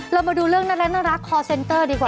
เรามาดูเรื่องน่ารักคอร์เซ็นเตอร์ดีกว่า